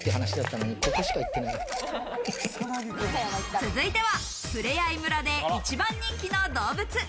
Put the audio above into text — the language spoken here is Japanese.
続いてはふれあい村で一番人気の動物。